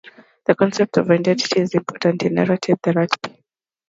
The concept of identity is important in narrative therapy.